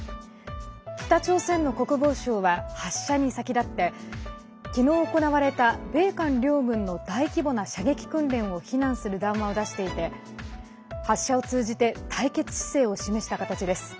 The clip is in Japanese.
北朝鮮の国防省は発射に先立って昨日行われた米韓両軍の大規模な射撃訓練を非難する談話を出していて発射を通じて対決姿勢を示した形です。